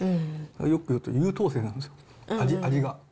よくいうと、優等生なんですよ、味が。